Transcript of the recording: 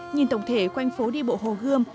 nhìn tổng thể quanh phố đi bộ hồ gươm